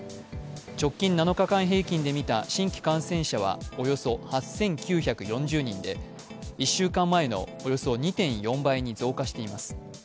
直近７日間平均でみた新規感染者は、およそ８９４０人で１週間前のおよそ２．４倍に増加しています。